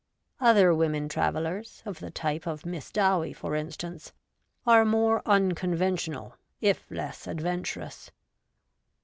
Other women travellers — of the type of Miss Dowie, for instance — are more unconventional, if less adventurous.